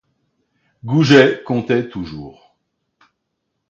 Goujet comptait toujours.